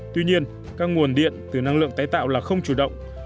tuy nhiên các nguồn điện từ năng lượng tái tạo là không chủ động